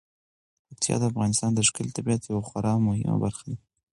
پکتیکا د افغانستان د ښکلي طبیعت یوه خورا مهمه برخه ده.